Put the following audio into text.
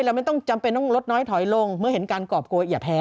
เราไม่ต้องจำเป็นต้องลดน้อยถอยลงเมื่อเห็นการกรอบโกยอย่าแพ้